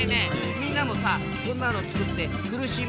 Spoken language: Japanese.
みんなもさこんなのつくってふるしん